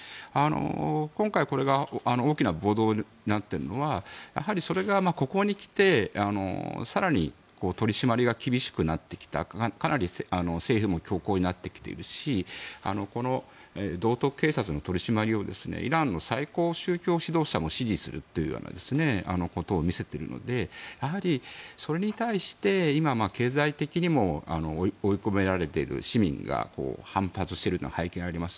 今回、これが大きな暴動になっているのはやはりそれがここに来て更に取り締まりが厳しくなってきたかなり政府も強硬になってきているしこの道徳警察の取り締まりをイランの最高宗教指導者も支持するというようなことを見せているのでやはりそれに対して今経済的にも追い込まれている市民が反発しているというのが背景にあります。